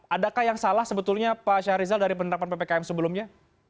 adakah yang salah sebetulnya pak syahrizal dari penerapan ppkm sebelumnya